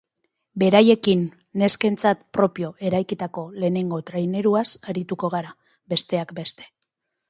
Beraiekin, neskentzat propio eraikitako lehenengo traineruaz arituko gara, besteak beste.